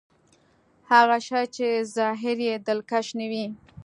هغه شی چې ظاهر يې دلکش نه وي.